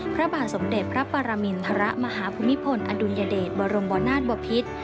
พระบาสมเด็จพระปรามิณฑระมหาภูมิพลอดุลยเดชบรมบรรนาชบพิศ